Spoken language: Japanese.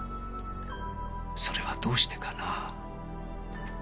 それはどうしてかな？